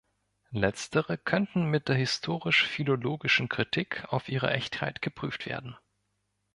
Letztere könnten mit der historisch-philologischen Kritik auf ihre Echtheit geprüft werden.